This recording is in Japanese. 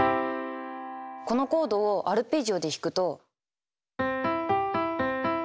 このコードをアルペジオで弾くと。